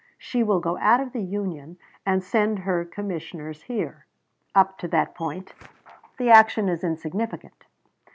She will go out of the Union and send her commissioners here. Up to that point the action is insignificant.